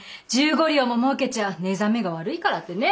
１５両も儲けちゃ寝覚めが悪いからってね。